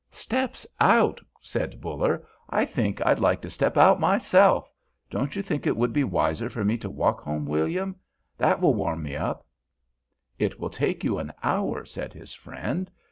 "Steps out!" said Buller, "I think I'd like to step out myself. Don't you think it would be wiser for me to walk home, William? That will warm me up." "It will take you an hour," said his friend.